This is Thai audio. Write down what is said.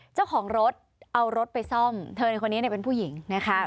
เจ้าของรถเอารถไปซ่อมเธอในคนนี้เป็นผู้หญิงนะคะ